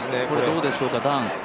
これどうでしょうか、段。